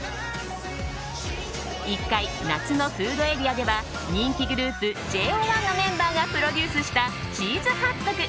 １階、夏のフードエリアでは人気グループＪＯ１のメンバーがプロデュースしたチーズハットグ